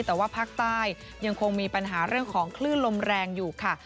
แต่ว่าภาคใต้ยังคงมีปัญหาเรื่องของคลื่นลมแรงอยู่ค่ะ